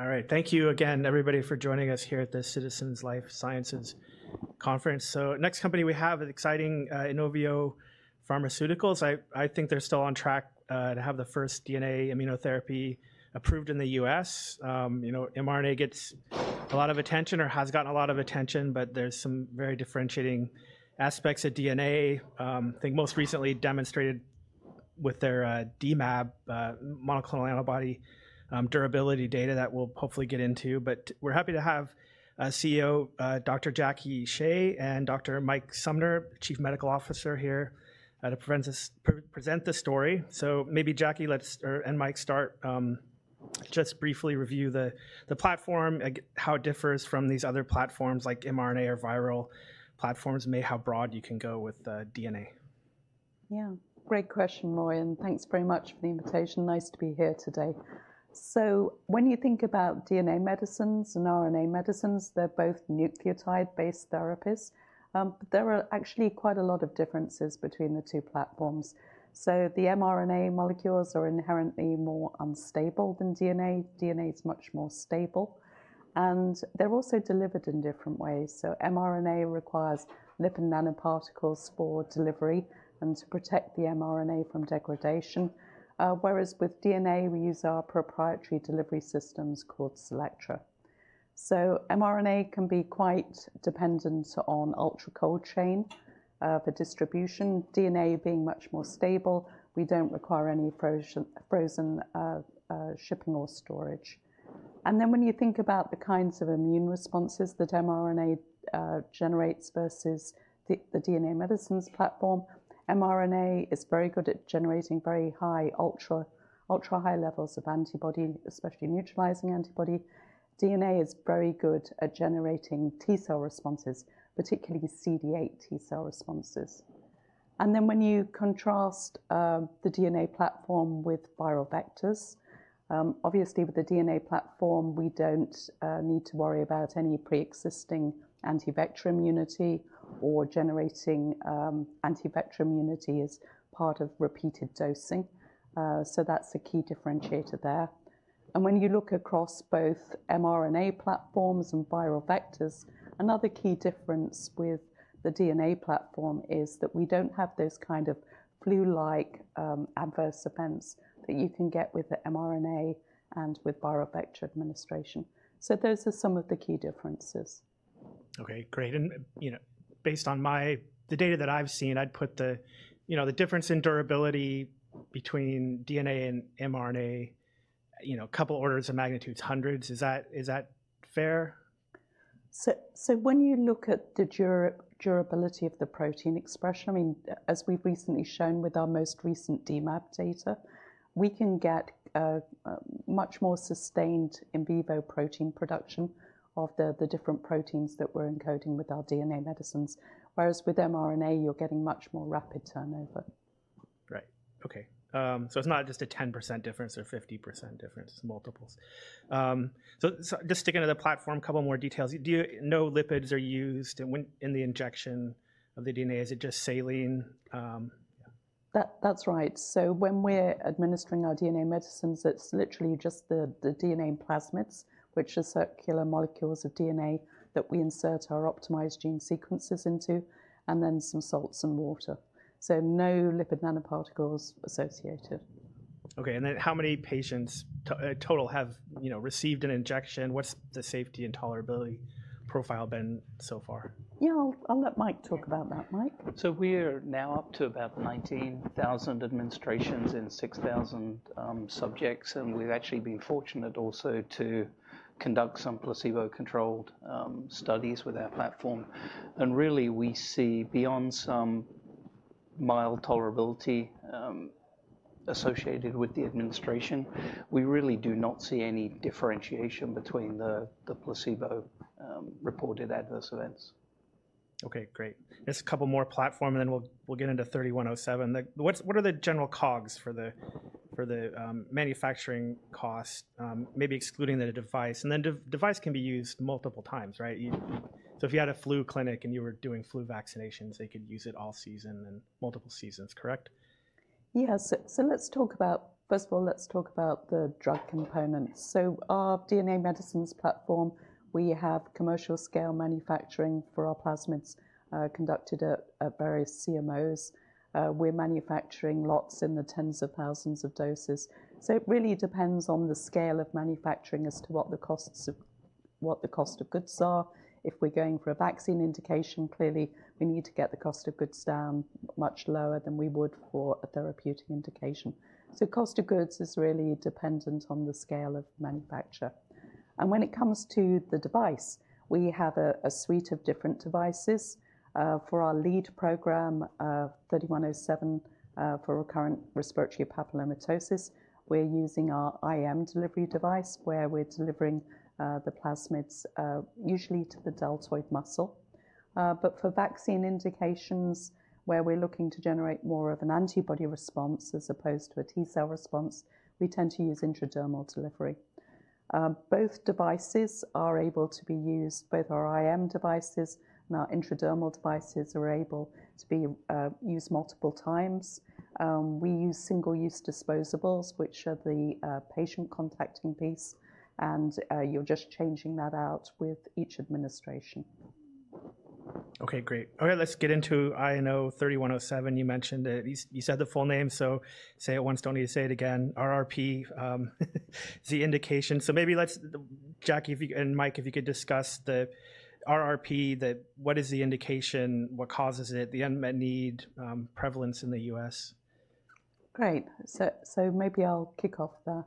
All right, thank you again, everybody, for joining us here at the Citizens Life Sciences Conference. Next company we have is exciting: INOVIO Pharmaceuticals. I think they're still on track to have the first DNA immunotherapy approved in the U.S. You know, mRNA gets a lot of attention or has gotten a lot of attention, but there's some very differentiating aspects of DNA. I think most recently demonstrated with their DMAb, monoclonal antibody durability data that we'll hopefully get into. We're happy to have CEO Dr. Jacque Shea and Dr. Mike Sumner, Chief Medical Officer here, to present this story. Maybe Jacque and Mike start, just briefly review the platform, how it differs from these other platforms like mRNA or viral platforms, and maybe how broad you can go with DNA. Yeah, great question, Morgan. Thanks very much for the invitation. Nice to be here today. When you think about DNA medicines and RNA medicines, they're both nucleotide-based therapies. There are actually quite a lot of differences between the two platforms. The mRNA molecules are inherently more unstable than DNA. DNA is much more stable. They're also delivered in different ways. mRNA requires lipid nanoparticles for delivery and to protect the mRNA from degradation. Whereas with DNA, we use our proprietary delivery systems called CELLECTRA. mRNA can be quite dependent on ultra cold chain for distribution. DNA being much more stable, we don't require any frozen shipping or storage. When you think about the kinds of immune responses that mRNA generates versus the DNA medicines platform, mRNA is very good at generating very high, ultra high levels of antibody, especially neutralizing antibody. DNA is very good at generating T cell responses, particularly CD8 T cell responses. When you contrast the DNA platform with viral vectors, obviously with the DNA platform, we do not need to worry about any pre-existing anti-vector immunity or generating anti-vector immunity as part of repeated dosing. That is a key differentiator there. When you look across both mRNA platforms and viral vectors, another key difference with the DNA platform is that we do not have those kind of flu-like adverse events that you can get with the mRNA and with viral vector administration. Those are some of the key differences. Okay, great. And you know, based on the data that I've seen, I'd put the difference in durability between DNA and mRNA, you know, a couple orders of magnitude, hundreds. Is that fair? When you look at the durability of the protein expression, I mean, as we've recently shown with our most recent DMAb data, we can get much more sustained in vivo protein production of the different proteins that we're encoding with our DNA medicines. Whereas with mRNA, you're getting much more rapid turnover. Right. Okay. It is not just a 10% difference or 50% difference, it is multiples. Just sticking to the platform, a couple more details. Do you know if lipids are used in the injection of the DNA? Is it just saline? That's right. When we're administering our DNA medicines, it's literally just the DNA plasmids, which are circular molecules of DNA that we insert our optimized gene sequences into, and then some salts and water. No lipid nanoparticles associated. Okay. And then how many patients total have, you know, received an injection? What's the safety and tolerability profile been so far? Yeah, I'll let Mike talk about that, Mike. We're now up to about 19,000 administrations in 6,000 subjects. We've actually been fortunate also to conduct some placebo-controlled studies with our platform. Really, we see beyond some mild tolerability associated with the administration, we really do not see any differentiation between the placebo-reported adverse events. Okay, great. Just a couple more platform, and then we'll get into 3107. What are the general COGS for the manufacturing cost, maybe excluding the device? And then the device can be used multiple times, right? If you had a flu clinic and you were doing flu vaccinations, they could use it all season and multiple seasons, correct? Yeah. So let's talk about, first of all, let's talk about the drug components. So our DNA medicines platform, we have commercial scale manufacturing for our plasmids conducted at various CMOs. We're manufacturing lots in the tens of thousands of doses. It really depends on the scale of manufacturing as to what the costs of goods are. If we're going for a vaccine indication, clearly we need to get the cost of goods down much lower than we would for a therapeutic indication. Cost of goods is really dependent on the scale of manufacture. When it comes to the device, we have a suite of different devices. For our lead program, 3107 for recurrent respiratory papillomatosis, we're using our IM delivery device where we're delivering the plasmids usually to the deltoid muscle. For vaccine indications where we're looking to generate more of an antibody response as opposed to a T cell response, we tend to use intradermal delivery. Both devices are able to be used, both our IM devices and our intradermal devices are able to be used multiple times. We use single-use disposables, which are the patient contacting piece, and you're just changing that out with each administration. Okay, great. All right, let's get into INO-3107. You mentioned it. You said the full name, so say it once, don't need to say it again. RRP is the indication. Maybe, Jacque and Mike, if you could discuss the RRP, what is the indication, what causes it, the unmet need, prevalence in the U.S.? Great. Maybe I'll kick off there.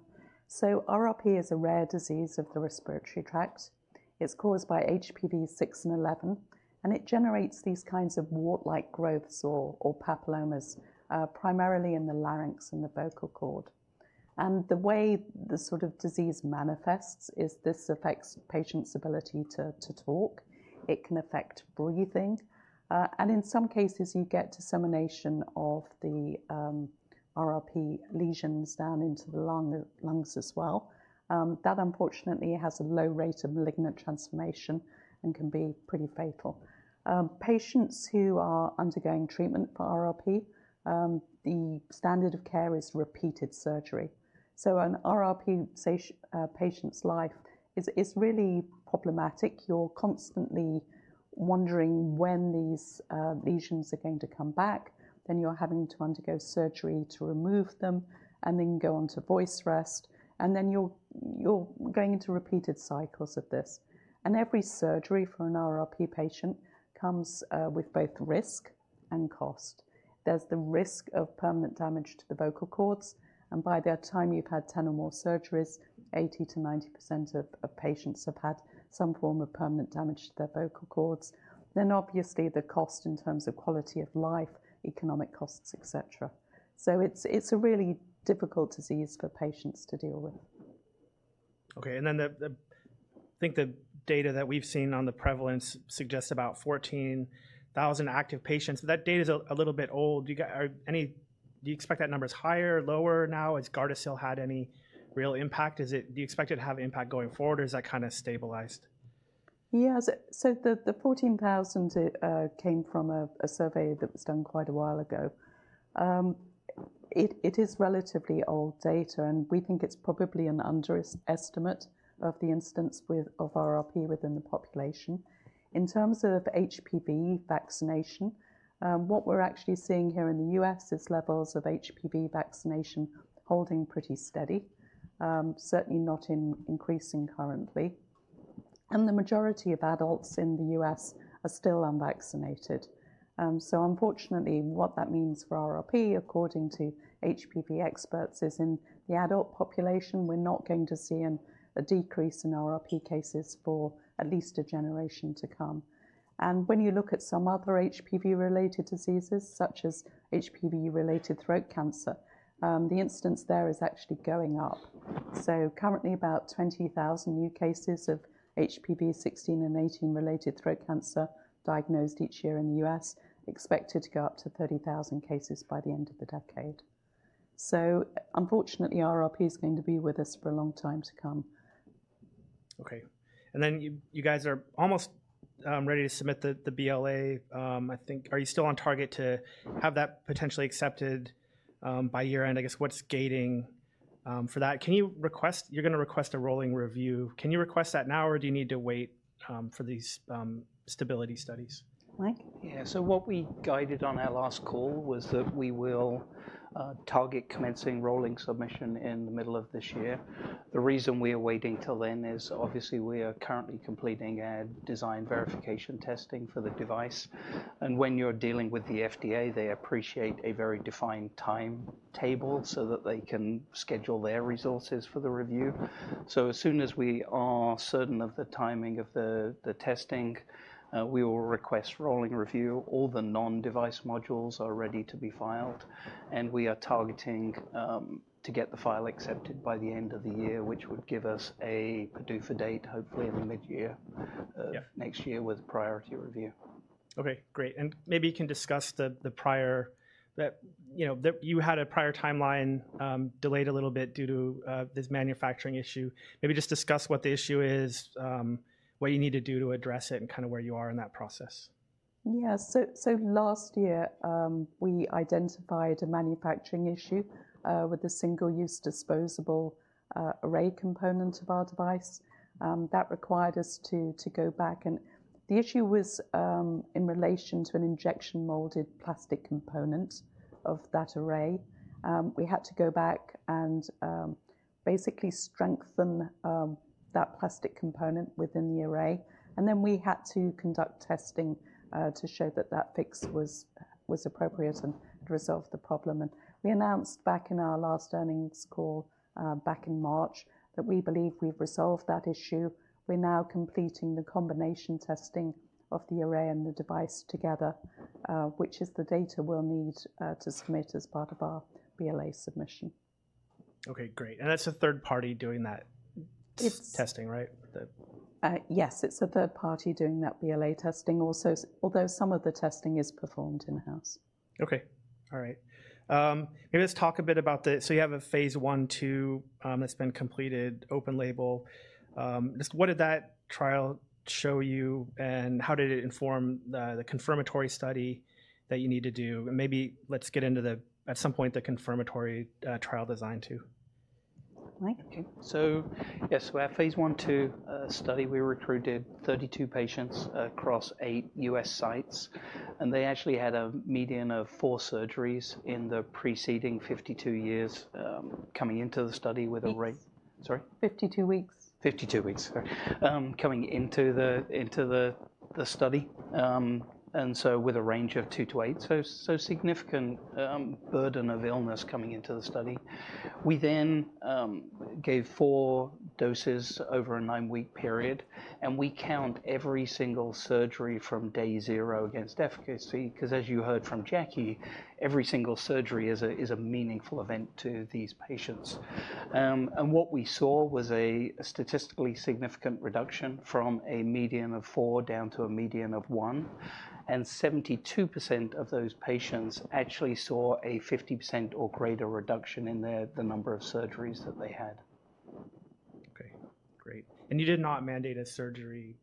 RRP is a rare disease of the respiratory tract. It's caused by HPV-6 and 11, and it generates these kinds of wart-like growths or papillomas, primarily in the larynx and the vocal cord. The way the sort of disease manifests is this affects patients' ability to talk. It can affect breathing. In some cases, you get dissemination of the RRP lesions down into the lungs as well. That, unfortunately, has a low rate of malignant transformation and can be pretty fatal. Patients who are undergoing treatment for RRP, the standard of care is repeated surgery. An RRP patient's life is really problematic. You're constantly wondering when these lesions are going to come back. You're having to undergo surgery to remove them and then go on to voice rest. You're going into repeated cycles of this. Every surgery for an RRP patient comes with both risk and cost. There is the risk of permanent damage to the vocal cords. By the time you have had 10 or more surgeries, 80%-90% of patients have had some form of permanent damage to their vocal cords. Obviously, there is the cost in terms of quality of life, economic costs, et cetera. It is a really difficult disease for patients to deal with. Okay. I think the data that we've seen on the prevalence suggests about 14,000 active patients. That data is a little bit old. Do you expect that number is higher, lower now? Has Gardasil had any real impact? Do you expect it to have impact going forward or is that kind of stabilized? Yeah. So the 14,000 came from a survey that was done quite a while ago. It is relatively old data, and we think it's probably an underestimate of the incidence of RRP within the population. In terms of HPV vaccination, what we're actually seeing here in the U.S. is levels of HPV vaccination holding pretty steady, certainly not increasing currently. And the majority of adults in the U.S. are still unvaccinated. So unfortunately, what that means for RRP, according to HPV experts, is in the adult population, we're not going to see a decrease in RRP cases for at least a generation to come. When you look at some other HPV-related diseases, such as HPV-related throat cancer, the incidence there is actually going up. Currently about 20,000 new cases of HPV-16 and 18 related throat cancer are diagnosed each year in the U.S. expected to go up to 30,000 cases by the end of the decade. Unfortunately, RRP is going to be with us for a long time to come. Okay. You guys are almost ready to submit the BLA. I think, are you still on target to have that potentially accepted by year end? I guess what's gating for that? Can you request, you're going to request a rolling review. Can you request that now or do you need to wait for these stability studies? Mike? Yeah. What we guided on our last call was that we will target commencing rolling submission in the middle of this year. The reason we are waiting till then is obviously we are currently completing a design verification testing for the device. When you are dealing with the FDA, they appreciate a very defined timetable so that they can schedule their resources for the review. As soon as we are certain of the timing of the testing, we will request rolling review. All the non-device modules are ready to be filed. We are targeting to get the file accepted by the end of the year, which would give us a PDUFA date, hopefully in the mid-year next year with priority review. Okay, great. Maybe you can discuss the prior, you know, you had a prior timeline delayed a little bit due to this manufacturing issue. Maybe just discuss what the issue is, what you need to do to address it, and kind of where you are in that process. Yeah. Last year, we identified a manufacturing issue with a single-use disposable array component of our device. That required us to go back. The issue was in relation to an injection molded plastic component of that array. We had to go back and basically strengthen that plastic component within the array. We had to conduct testing to show that that fix was appropriate and resolved the problem. We announced in our last earnings call in March that we believe we've resolved that issue. We're now completing the combination testing of the array and the device together, which is the data we'll need to submit as part of our BLA submission. Okay, great. That is a third party doing that testing, right? Yes, it's a third party doing that BLA testing also, although some of the testing is performed in-house. Okay. All right. Maybe let's talk a bit about the, so you have a phase I, two that's been completed, open label. What did that trial show you and how did it inform the confirmatory study that you need to do? Maybe let's get into the, at some point, the confirmatory trial design too. Mike? Okay. Yes, we have a phase I/II study. We recruited 32 patients across eight U.S. sites. They actually had a median of four surgeries in the preceding 52 years coming into the study with a rate. Sorry? 52 weeks. 52 weeks. Sorry. Coming into the study. And so with a range of two to eight. Significant burden of illness coming into the study. We then gave four doses over a nine-week period. We count every single surgery from day zero against efficacy, because as you heard from Jacque, every single surgery is a meaningful event to these patients. What we saw was a statistically significant reduction from a median of four down to a median of one. 72% of those patients actually saw a 50% or greater reduction in the number of surgeries that they had. Okay. Great. You did not mandate a surgery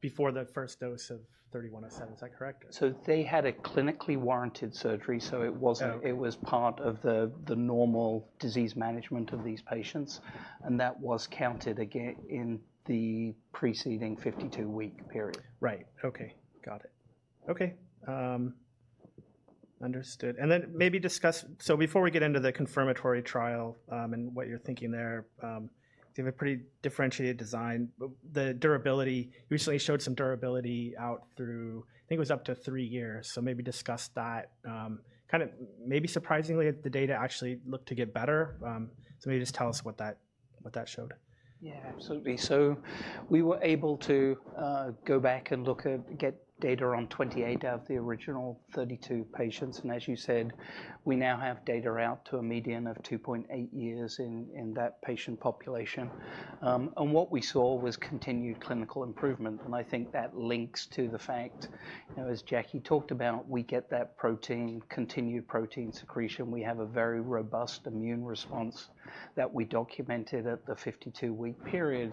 before the first dose of 3107, is that correct? They had a clinically warranted surgery. It was part of the normal disease management of these patients. That was counted in the preceding 52-week period. Right. Okay. Got it. Okay. Understood. Maybe discuss, before we get into the confirmatory trial and what you're thinking there, you have a pretty differentiated design. The durability, you recently showed some durability out through, I think it was up to three years. Maybe discuss that. Kind of maybe surprisingly, the data actually looked to get better. Maybe just tell us what that showed. Yeah, absolutely. We were able to go back and look at, get data on 28 out of the original 32 patients. As you said, we now have data out to a median of 2.8 years in that patient population. What we saw was continued clinical improvement. I think that links to the fact, as Jacque talked about, we get that protein, continued protein secretion. We have a very robust immune response that we documented at the 52-week period.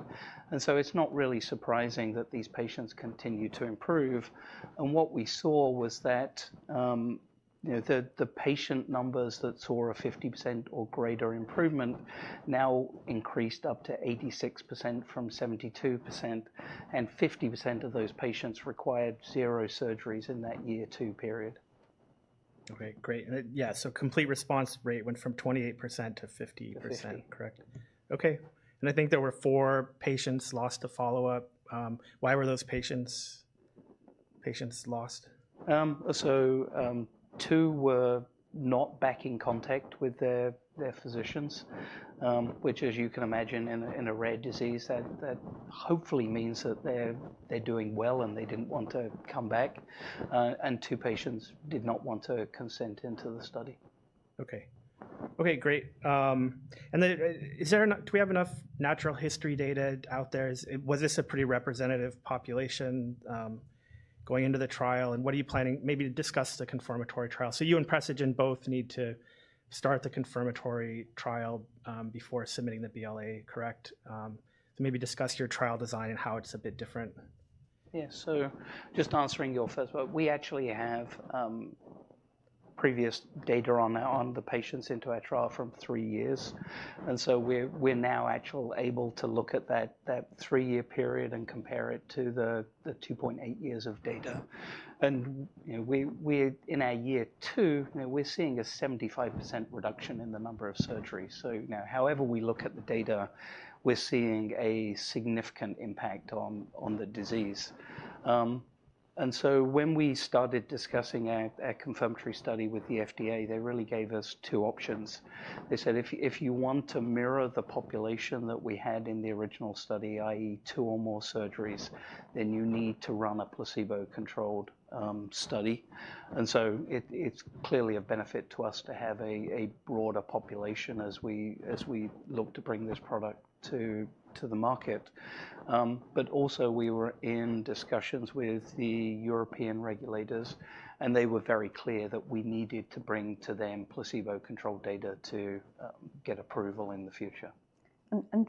It is not really surprising that these patients continue to improve. What we saw was that the patient numbers that saw a 50% or greater improvement now increased up to 86% from 72%. 50% of those patients required zero surgeries in that year two period. Okay, great. Yeah. So complete response rate went from 28% to 50%, correct? Okay. I think there were four patients lost to follow-up. Why were those patients lost? Two were not back in contact with their physicians, which, as you can imagine, in a rare disease, that hopefully means that they're doing well and they didn't want to come back. Two patients did not want to consent into the study. Okay. Okay, great. Do we have enough natural history data out there? Was this a pretty representative population going into the trial? What are you planning maybe to discuss the confirmatory trial? You and Precigen both need to start the confirmatory trial before submitting the BLA, correct? Maybe discuss your trial design and how it's a bit different. Yeah. So just answering your first part, we actually have previous data on the patients into our trial from three years. We are now actually able to look at that three-year period and compare it to the 2.8 years of data. In our year two, we're seeing a 75% reduction in the number of surgeries. However we look at the data, we're seeing a significant impact on the disease. When we started discussing our confirmatory study with the FDA, they really gave us two options. They said, if you want to mirror the population that we had in the original study, i.e., two or more surgeries, then you need to run a placebo-controlled study. It is clearly a benefit to us to have a broader population as we look to bring this product to the market. We were in discussions with the European regulators, and they were very clear that we needed to bring to them placebo-controlled data to get approval in the future.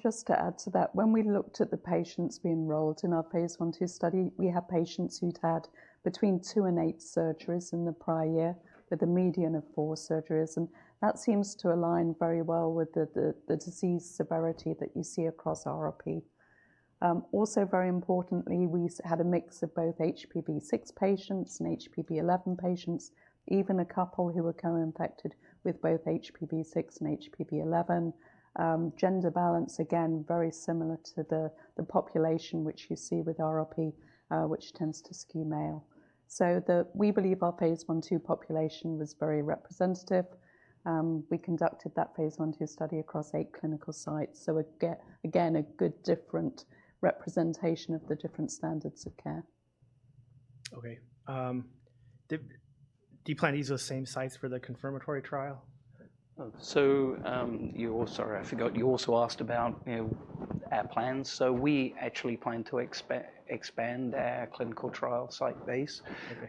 Just to add to that, when we looked at the patients we enrolled in our phase I/II study, we had patients who'd had between two and eight surgeries in the prior year with a median of four surgeries. That seems to align very well with the disease severity that you see across RRP. Also, very importantly, we had a mix of both HPV-6 patients and HPV-11 patients, even a couple who were co-infected with both HPV-6 and HPV-11. Gender balance, again, very similar to the population, which you see with RRP, which tends to skew male. We believe our phase I/II population was very representative. We conducted that phase I/II study across eight clinical sites. Again, a good different representation of the different standards of care. Okay. Do you plan to use those same sites for the confirmatory trial? You also, sorry, I forgot. You also asked about our plans. We actually plan to expand our clinical trial site base.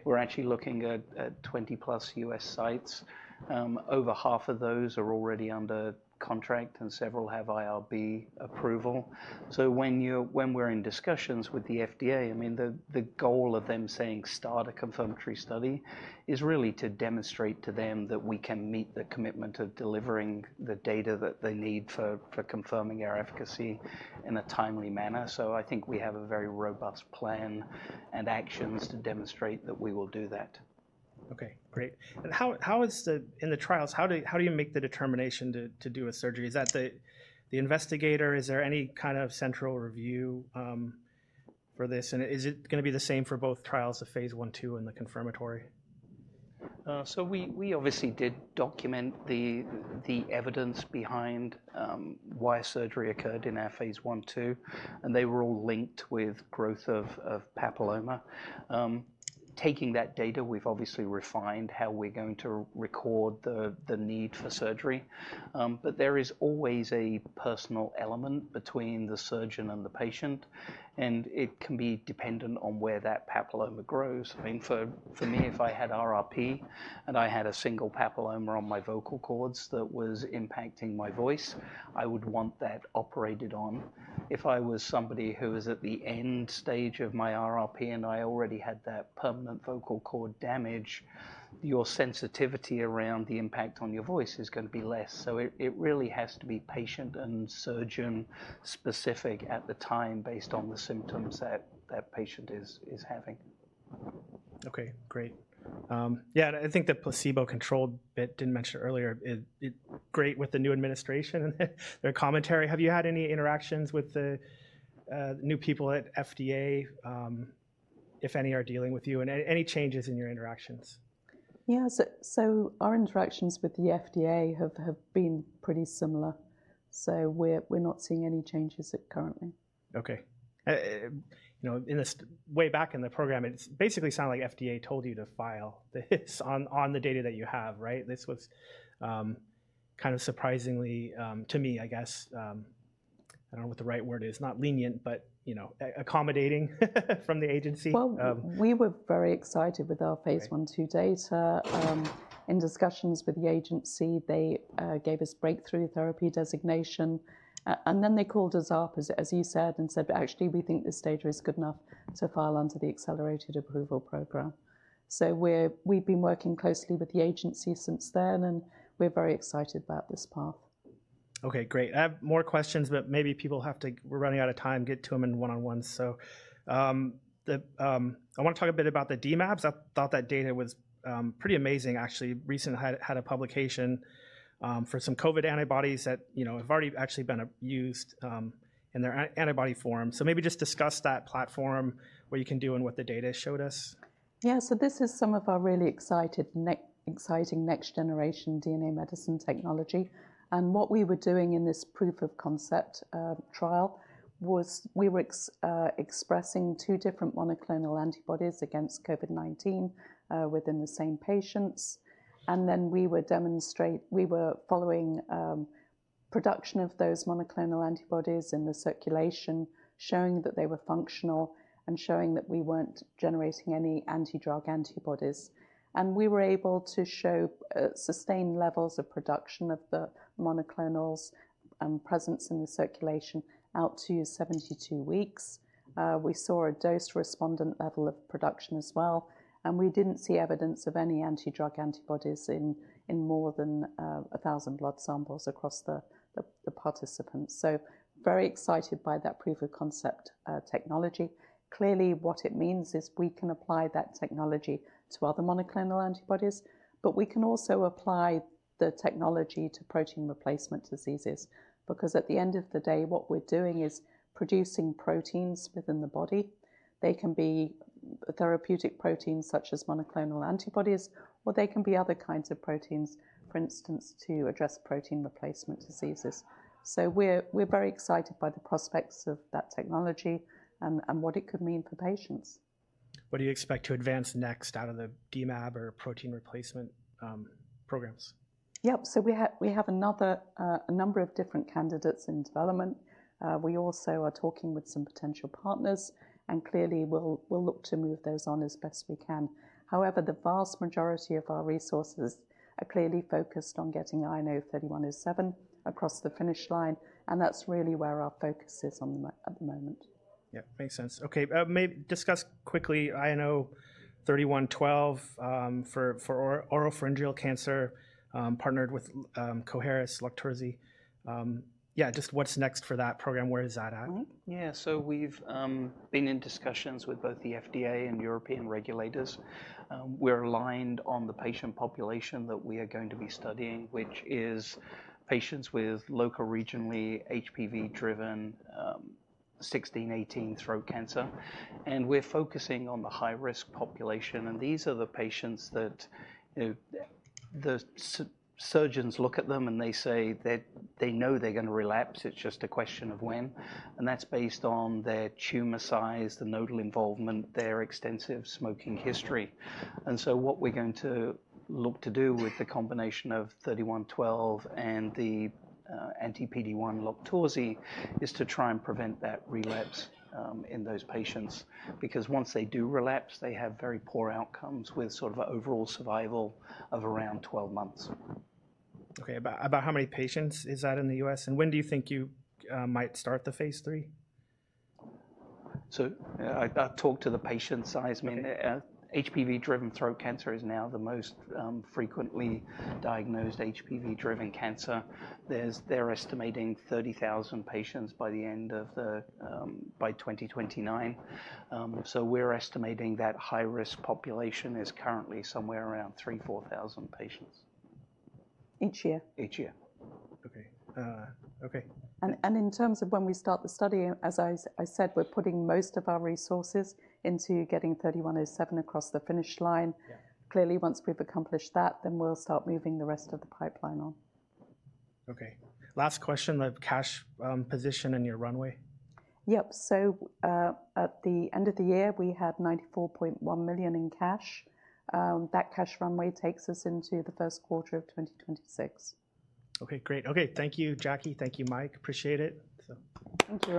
We're actually looking at 20+ U.S. sites. Over half of those are already under contract and several have IRB approval. When we're in discussions with the FDA, I mean, the goal of them saying start a confirmatory study is really to demonstrate to them that we can meet the commitment of delivering the data that they need for confirming our efficacy in a timely manner. I think we have a very robust plan and actions to demonstrate that we will do that. Okay, great. How is the, in the trials, how do you make the determination to do a surgery? Is that the investigator? Is there any kind of central review for this? Is it going to be the same for both trials of phase I/II and the confirmatory? We obviously did document the evidence behind why surgery occurred in our phase I/II. They were all linked with growth of papilloma. Taking that data, we've obviously refined how we're going to record the need for surgery. There is always a personal element between the surgeon and the patient. It can be dependent on where that papilloma grows. I mean, for me, if I had RRP and I had a single papilloma on my vocal cords that was impacting my voice, I would want that operated on. If I was somebody who was at the end stage of my RRP and I already had that permanent vocal cord damage, your sensitivity around the impact on your voice is going to be less. It really has to be patient and surgeon specific at the time based on the symptoms that patient is having. Okay, great. Yeah. I think the placebo-controlled bit didn't mention it earlier. It's great with the new administration and their commentary. Have you had any interactions with the new people at FDA, if any are dealing with you? Any changes in your interactions? Yeah. Our interactions with the FDA have been pretty similar. We're not seeing any changes currently. Okay. You know, way back in the program, it basically sounded like FDA told you to file this on the data that you have, right? This was kind of surprisingly to me, I guess, I don't know what the right word is, not lenient, but accommodating from the agency. We were very excited with our phase I/II data. In discussions with the agency, they gave us breakthrough therapy designation. They called us up, as you said, and said, actually, we think this data is good enough to file under the accelerated approval program. We have been working closely with the agency since then, and we are very excited about this path. Okay, great. I have more questions, but maybe people have to, we're running out of time, get to them in one-on-ones. I want to talk a bit about the DMAbs. I thought that data was pretty amazing, actually. Recently had a publication for some COVID antibodies that have already actually been used in their antibody form. Maybe just discuss that platform, what you can do and what the data showed us. Yeah. This is some of our really exciting next generation DNA medicine technology. What we were doing in this proof of concept trial was we were expressing two different monoclonal antibodies against COVID-19 within the same patients. We were demonstrating, we were following production of those monoclonal antibodies in the circulation, showing that they were functional and showing that we were not generating any anti-drug antibodies. We were able to show sustained levels of production of the monoclonals and presence in the circulation out to 72 weeks. We saw a dose respondent level of production as well. We did not see evidence of any anti-drug antibodies in more than 1,000 blood samples across the participants. Very excited by that proof of concept technology. Clearly, what it means is we can apply that technology to other monoclonal antibodies, but we can also apply the technology to protein replacement diseases. Because at the end of the day, what we're doing is producing proteins within the body. They can be therapeutic proteins such as monoclonal antibodies, or they can be other kinds of proteins, for instance, to address protein replacement diseases. We are very excited by the prospects of that technology and what it could mean for patients. What do you expect to advance next out of the DMAb or protein replacement programs? Yep. We have a number of different candidates in development. We also are talking with some potential partners. Clearly, we'll look to move those on as best we can. However, the vast majority of our resources are clearly focused on getting INO-3107 across the finish line. That is really where our focus is at the moment. Yeah, makes sense. Okay. Maybe discuss quickly INO-3112 for oropharyngeal cancer partnered with Coherus BioSciences. Yeah, just what's next for that program? Where is that at? Yeah. We have been in discussions with both the FDA and European regulators. We are aligned on the patient population that we are going to be studying, which is patients with local, regionally HPV-driven 16, 18 throat cancer. We are focusing on the high-risk population. These are the patients that the surgeons look at them and they say that they know they are going to relapse. It is just a question of when. That is based on their tumor size, the nodal involvement, their extensive smoking history. What we are going to look to do with the combination of 3112 and the anti-PD-1 LOQTORZI is to try and prevent that relapse in those patients. Because once they do relapse, they have very poor outcomes with sort of overall survival of around 12 months. Okay. About how many patients is that in the U.S.? When do you think you might start the phase III? I've talked to the patient side. I mean, HPV-driven throat cancer is now the most frequently diagnosed HPV-driven cancer. They're estimating 30,000 patients by the end of 2029. We're estimating that high-risk population is currently somewhere around 3,000-4,000 patients. Each year. Each year. Okay. Okay. In terms of when we start the study, as I said, we're putting most of our resources into getting 3107 across the finish line. Clearly, once we've accomplished that, then we'll start moving the rest of the pipeline on. Okay. Last question, the cash position and your runway. Yep. At the end of the year, we had $94.1 million in cash. That cash runway takes us into the first quarter of 2026. Okay, great. Okay. Thank you, Jacque. Thank you, Mike. Appreciate it. Thank you.